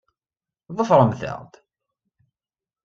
Ḍefṛemt-aɣ-d!